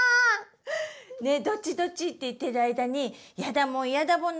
どっちどっちって言ってる間にやだもんやだもんの